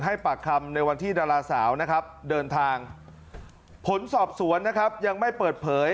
ให้ปากคำในวันที่ดาราสาวเดินทางผลสอบสวนยังไม่เปิดเผย